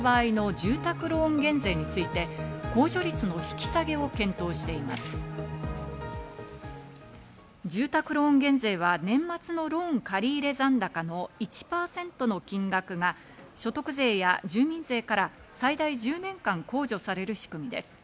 住宅ローン減税は年末のローン借り入残れ高の１％の金額が所得税や住民税から最大１０年間、控除される仕組みです。